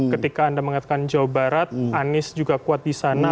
ketika anda mengatakan jawa barat anies juga kuat di sana